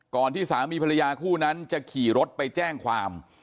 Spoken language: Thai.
ที่สามีภรรยาคู่นั้นจะขี่รถไปแจ้งความ